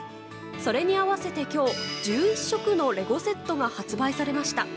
それに合わせて、今日１１色のレゴセットが発売されました。